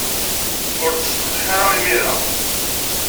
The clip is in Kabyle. Ur tselleḥ ara imir-a.